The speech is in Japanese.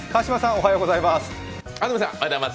おはようございます。